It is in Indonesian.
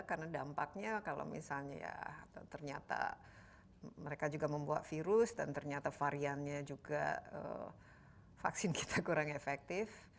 karena dampaknya kalau misalnya ya ternyata mereka juga membuat virus dan ternyata variannya juga vaksin kita kurang efektif